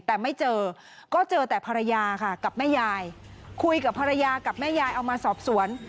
แต่ไม่เจอก็เจอแต่ภรรยาค่ะกับแม่ยายคุยกับภรรยากับแม่ยายเอามาสอบสวน